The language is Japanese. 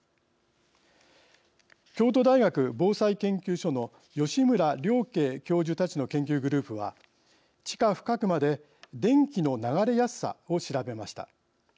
京都大学防災研究所の吉村令慧教授たちの研究グループは地下深くまで電気の流れやすさを調べました。